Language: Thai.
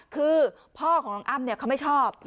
คือพ่อของน้องอ้ำเขาไม่ชอบ